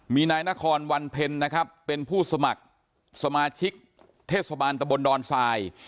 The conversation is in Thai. มีนายนครวันเพ็ญนะครับเป็นผู้สมัครสมาชิกเทศบาลตะบนดอนทราย